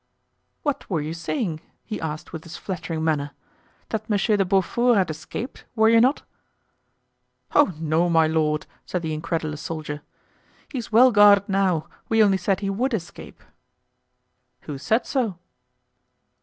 "What were you saying?" he asked with his flattering manner; "that Monsieur de Beaufort had escaped, were you not?" "Oh, no, my lord!" said the incredulous soldier. "He's well guarded now; we only said he would escape." "Who said so?"